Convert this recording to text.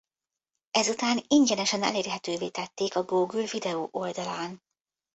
Ezután ingyenesen elérhetővé tették a Google video oldalán.